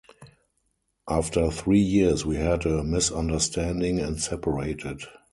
After three years we had a misunderstanding and separated.